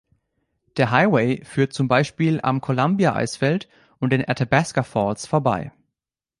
Der Highway führt zum Beispiel am Columbia-Eisfeld und den Athabasca Falls vorbei.